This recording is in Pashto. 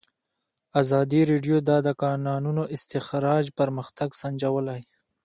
ازادي راډیو د د کانونو استخراج پرمختګ سنجولی.